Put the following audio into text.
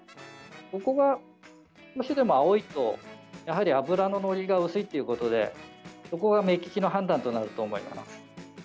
ここが少しでも青いとやはり脂のりが薄いということでここが目利きの判断となると思います。